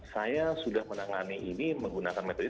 saya sudah menangani ini menggunakan metode